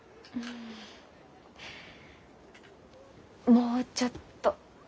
もうちょっと。